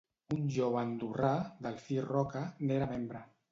Un jove andorrà, Delfí Roca, n’era membre.